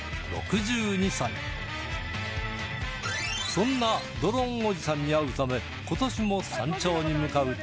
そんなドローンおじさんに会うため今年も山頂に向かうと